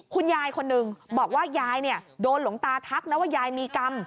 คุณยายคนหนึ่งบอกว่ายายโดนหลวงตาทักนะว่ายายมีกรรม